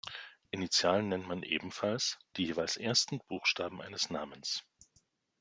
Initialen nennt man ebenfalls die jeweils ersten Buchstaben eines Namens.